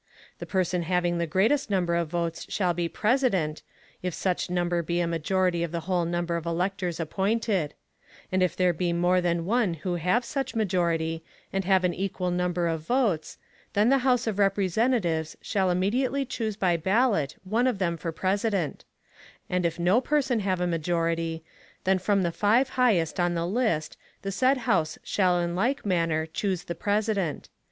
The Person having the greatest Number of Votes shall be the President, if such Number be a Majority of the whole Number of Electors appointed; and if there be more than one who have such Majority and have an equal Number of Votes, then the House of Representatives shall immediately chuse by Ballot one of them for President; and if no Person have a Majority, then from the five highest on the List the said House shall in like Manner chuse the President.